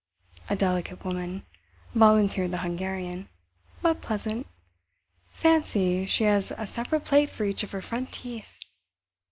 "A delicate woman," volunteered the Hungarian, "but pleasant. Fancy, she has a separate plate for each of her front teeth!